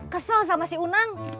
kesel sama si unang